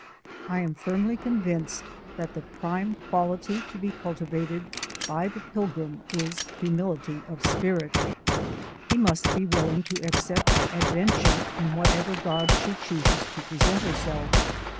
I am firmly convinced that the prime quality to be cultivated by the pilgrim is humility of spirit; he must be willing to accept Adventure in whatever garb she chooses to present herself.